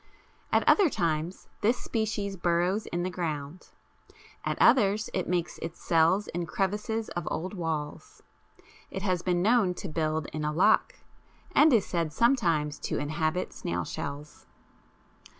At other times this species burrows in the ground, at others it makes its cells in crevices of old walls; it has been known to build in a lock, and is said sometimes to inhabit snail shells.